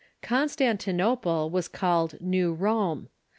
Constantinople was called New Rome.